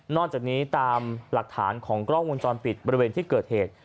จากนี้ตามหลักฐานของกล้องวงจรปิดบริเวณที่เกิดเหตุ